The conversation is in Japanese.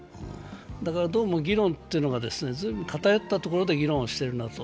だからどうも議論が随分偏ったところで議論してるなと。